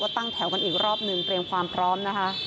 ตั้งแถวกันอีกรอบหนึ่งเตรียมความพร้อมนะคะ